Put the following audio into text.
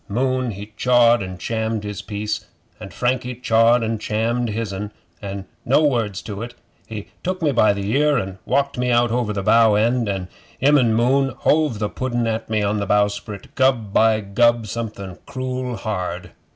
Moon he chawed and chammed his piece, and Frankie chawed and chammed his'n, and no words to it he took me by the ear an' walked me out over the bow end, an' him an' Moon hove the pudden at me on the bowsprit gub by gub, something cruel hard!